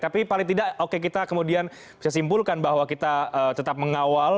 tapi paling tidak oke kita kemudian bisa simpulkan bahwa kita tetap mengawal